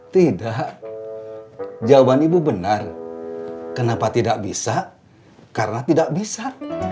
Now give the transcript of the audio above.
tidak jawaban ibu benar kenapa tidak bisa karena tidak bisa